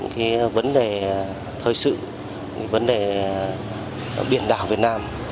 những vấn đề thời sự những vấn đề biển đảo việt nam